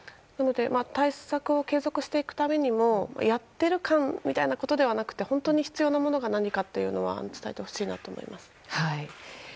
なので対策を継続していくためにもやってる感みたいなものじゃなくて本当に必要なものが何かを伝えてほしいなと思います。